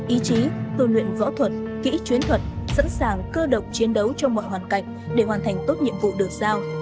ý chí tu luyện võ thuật kỹ chuyến thuật sẵn sàng cơ động chiến đấu trong mọi hoàn cảnh để hoàn thành tốt nhiệm vụ được sao